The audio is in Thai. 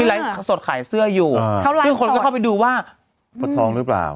ไลฟ์สดขายเสื้ออยู่ซึ่งคนก็เข้าไปดูว่าทองหรือเปล่า